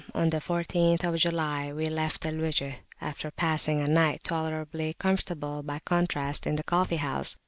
} on the 14th July we left Al Wijh, after passing a night, tolerably comfortable by contrast, in the coffee house.